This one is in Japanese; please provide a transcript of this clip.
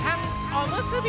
おむすび！